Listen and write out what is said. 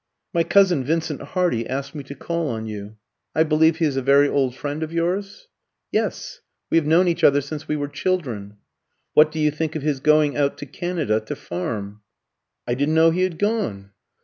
"My cousin Vincent Hardy asked me to call on you. I believe he is a very old friend of yours?" "Yes; we have known each other since we were children." "What do you think of his going out to Canada to farm?" "I didn't know he had gone."